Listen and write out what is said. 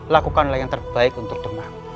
lakukanlah yang terbaik untuk demam